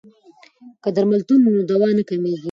که درملتون وي نو دوا نه کمیږي.